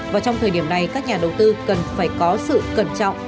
và trong thời điểm này các nhà đầu tư cần phải có sự cẩn trọng